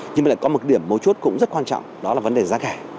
nhưng mà lại có một điểm một chút cũng rất quan trọng đó là vấn đề giá cả